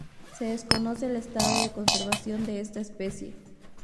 Se desconoce el estado de conservación de esta especie.